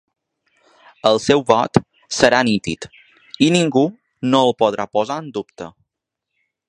El seu vot serà nítid i ningú no el podrà posar en dubte.